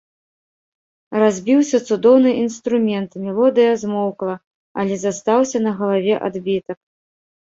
Разбіўся цудоўны інструмент, мелодыя змоўкла, але застаўся на галаве адбітак.